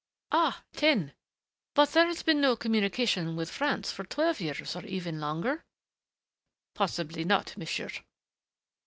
"Ah ten. But there has been no communication with France for twelve years or even longer?" "Possibly not, monsieur."